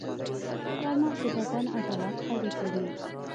چارمغز د بدن عضلات قوي کوي.